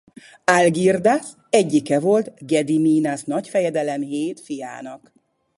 Algirdas egyike volt Gediminas nagyfejedelem hét fiának.